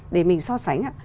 để mình so sánh